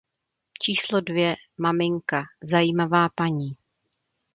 Číslo dvě, maminka, zajímavá paní.